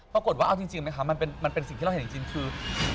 ปรากฏว่าเอาจริงไหมคะมันเป็นสิ่งที่เราเห็นจริงคือ